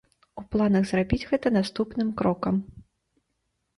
У планах зрабіць гэта наступным крокам.